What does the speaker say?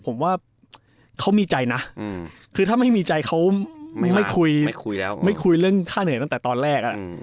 ผมว่าเขามีใจนะคือถ้าไม่มีใจเขาไม่คุยเรื่องข้าเหนือนั้นตั้งแต่ตอนแรก